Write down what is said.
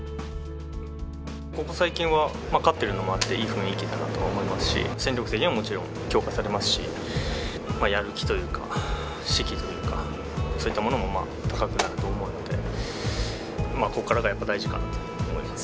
ここ最近は勝っているのもあっていい雰囲気だなと思いますし戦力的にはもちろん強化されますしやる気というか、士気というかそういったものも高くなると思うのでここからがやっぱり大事かなと思います。